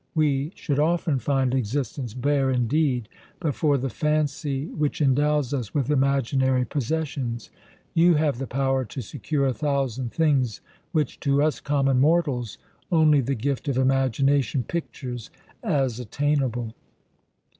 We should often find existence bare indeed but for the fancy which endows us with imaginary possessions. You have the power to secure a thousand things which to us common mortals only the gift of imagination pictures as attainable."